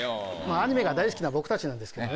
アニメが大好きな僕たちなんですけどもね。